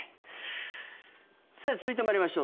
さて、続いて参りましょう。